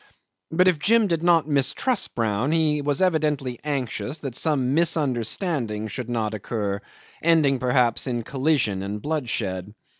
But if Jim did not mistrust Brown, he was evidently anxious that some misunderstanding should not occur, ending perhaps in collision and bloodshed.